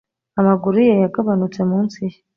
amaguru ye yagabanutse munsi ye